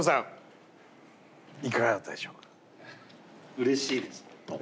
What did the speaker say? うれしいです。